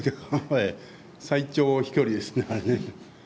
最長飛距離ですね、あれね。